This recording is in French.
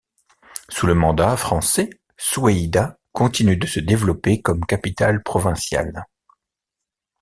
Sous le Mandat Français, Soueïda continue de se développer comme capitale provinciale.